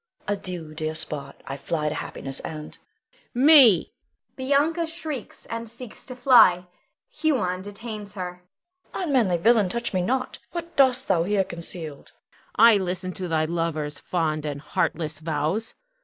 Adieu, dear spot! I fly to happiness and Huon. Me [Bianca shrieks, and seeks to fly. Huon detains her.] Bianca. Unmanly villain, touch me not. What dost thou here concealed? Huon. I listen to thy lover's fond and heartless vows.